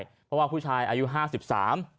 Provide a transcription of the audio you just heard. เพราะว่าผู้ชายอายุห้าสิบสาม